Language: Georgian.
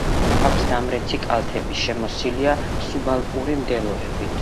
აქვს დამრეცი კალთები, შემოსილია სუბალპური მდელოებით.